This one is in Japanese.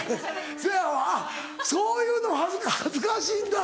そやわあっそういうの恥ずかしいんだ。